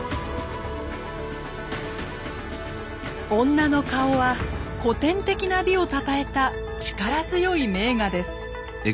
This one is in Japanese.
「女の顔」は古典的な美をたたえた力強い名画です。